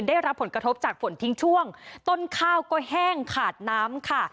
ได้รับผลกระทบจากฝนทิ้งช่วงต้นข้าวก็แห้งขาดน้ำค่ะ